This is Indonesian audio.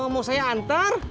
mau saya antar